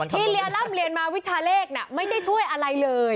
เรียนร่ำเรียนมาวิชาเลขไม่ได้ช่วยอะไรเลย